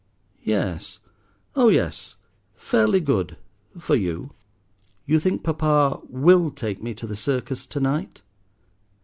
"Yes—oh yes, fairly good, for you." "You think Papa will take me to the circus to night?"